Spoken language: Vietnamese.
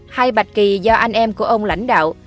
hai bạch kỳ do anh em của ông lãnh đạo